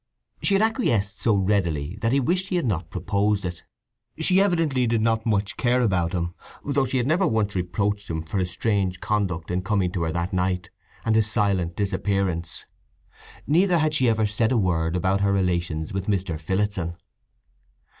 She had acquiesced so readily that he wished he had not proposed it—she evidently did not much care about him, though she had never once reproached him for his strange conduct in coming to her that night, and his silent disappearance. Neither had she ever said a word about her relations with Mr. Phillotson.